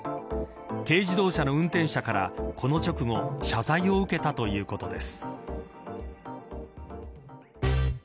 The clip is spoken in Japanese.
軽自動車の運転者からこの直後謝罪を受けたということです。